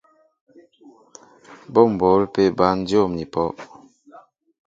Bɔ́ m̀bǒl pé bǎn dyǒm ni pɔ́.